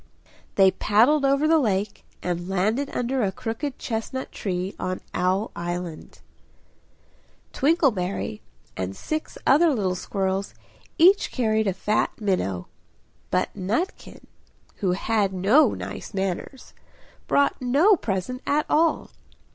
They paddled over the lake and landed under a crooked chestnut tree on Owl Island. Twinkleberry and six other little squirrels each carried a fat minnow; but Nutkin, who had no nice manners, brought no present at all.